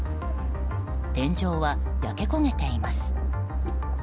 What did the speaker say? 天井は焼け焦げています。